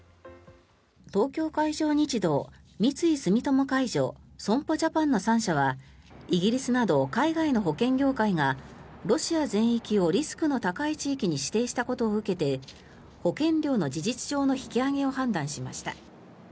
東京海上日動、三井住友海上損保ジャパンの３社はイギリスなど海外の保険業界がロシア全域をリスクの高い地域に指定したことを受けて保険料の事実上の引き上げを判断しました。